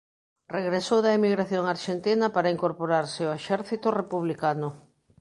Regresou da emigración arxentina para incorporarse ao exército republicano.